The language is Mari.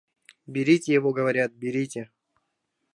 Берите его, говорят, берите!